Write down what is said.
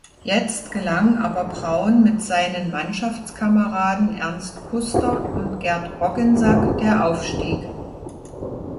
Jetzt gelang aber Braun mit seinen Mannschaftskameraden Ernst Kuster und Gerd Roggensack der Aufstieg.